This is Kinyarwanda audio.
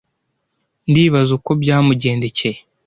Ndibaza uko byamugendekeye.